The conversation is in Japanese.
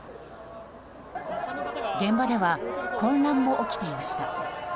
現場では混乱も起きていました。